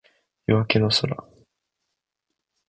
夜明けの空